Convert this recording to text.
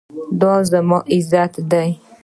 دا زموږ عزت دی؟